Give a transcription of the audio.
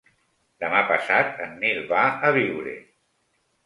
Demà passat en Nil va a Biure.